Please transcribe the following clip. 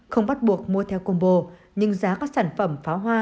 không bắt buộc mua theo combo nhưng giá các sản phẩm pháo hoa